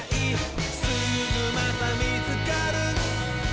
「すぐまたみつかる」